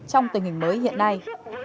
trong tình hình mới hiện nay